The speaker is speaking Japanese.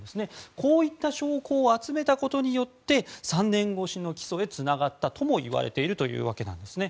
こういった証拠を集めたことによって３年越しの起訴へつながったともいわれているんです。